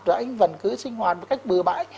rồi anh vẫn cứ sinh hoạt một cách bừa bãi